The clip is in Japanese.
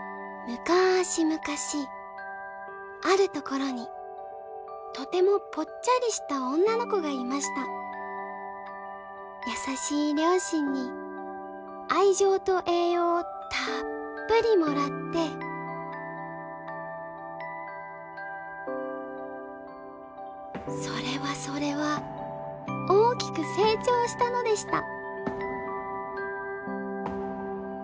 むかーしむかしあるところにとてもぽっちゃりした女の子がいました優しい両親に愛情と栄養をたーっぷりもらってそれはそれは大きく成長したのでした